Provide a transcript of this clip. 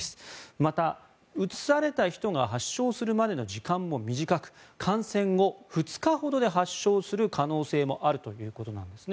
また、うつされた人が発症されるまでの時間は短く感染後２日ほどで発症する可能性もあるということなんですね。